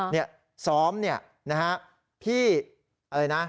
เนี่ยซ้อมเนี่ยนะฮะพี่อะไรนะ